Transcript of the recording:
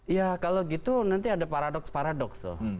ya kalau gitu nanti ada paradoks paradox